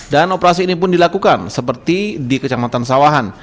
operasi ini pun dilakukan seperti di kecamatan sawahan